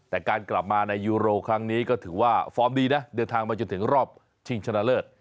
แต่การกลับมาในยูโรครั้งนี้ก็ถือว่าฟอร์มดีนะเดินทางมาจนถึงรอบชิงชนะเลิศ